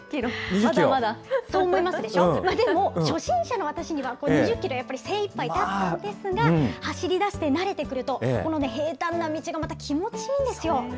まだまだ、そう思いますでしょう、でも初心者の私には、これ、２０キロが精いっぱいだったんですが、走りだして慣れてくると、この平たんな道が気持ちいいんですよ。